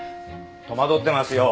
戸惑ってますよ